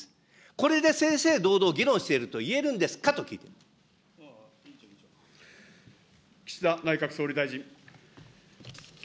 これで正々堂々議論していると言岸田内閣総理大臣。